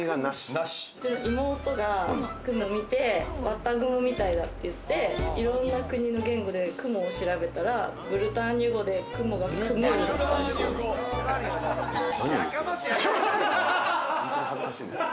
妹が「くむ」を見て綿雲みたいだって言って、いろんな国の言語で雲を調べたら、ブルターニュ語で雲がクムールだったんですよ。